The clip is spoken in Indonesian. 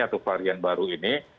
atau varian baru ini